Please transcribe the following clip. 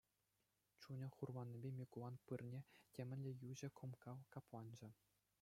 Чунӗ хурланнипе Микулан пырне темӗнле йӳҫӗ кумкка капланчӗ.